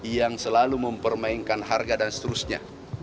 yang selalu mempermainkan harga dan seterusnya